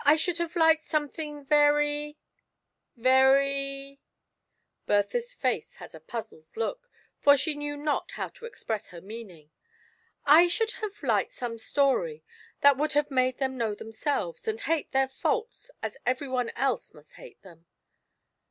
37 should have liked something very — ^very" — Bertha's face had a puzzled look, for she knew not how to express her meaning; "I should have liked some story that would have made them know themselves, and hate their faults as every one else must hate them.